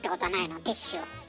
ティッシュを。